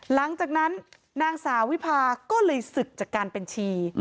หลังจากนั้นนางสาววิพาก็เลยศึกจากการเป็นชี